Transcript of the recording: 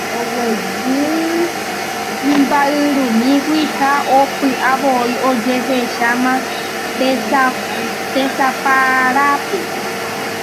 Oguejy imba'yrumýigui ha pya'evoi ojehecháma tesaparápe.